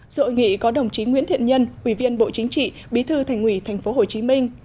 rội nghị có đồng chí nguyễn thiện nhân quỳ viên bộ chính trị bí thư thành ủy thành phố hồ chí minh